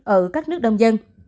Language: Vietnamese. ở các nước đông dân